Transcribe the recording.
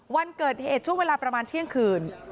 วันเกิดเหตุช่วงเวลาประมาณเที่ยงคืน